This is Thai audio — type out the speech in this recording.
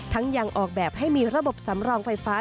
ยังออกแบบให้มีระบบสำรองไฟฟ้า